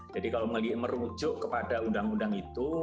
jadi kalau merujuk kepada undang undang itu